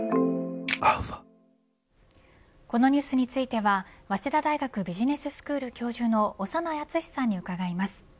このニュースについては早稲田大学ビジネススクール教授の長内厚さんに伺います。